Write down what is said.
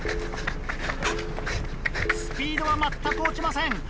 スピードは全く落ちません。